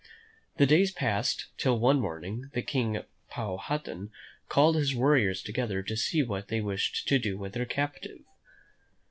The days passed, till one morning the King, Powhatan, called his warriors together to see what they wished to do with their captive.